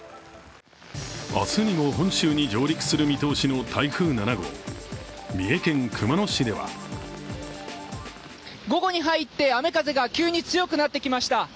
明日にも本州に上陸する見通しの台風７号三重県熊野市では午後に入って雨・風が急に強くなってきました。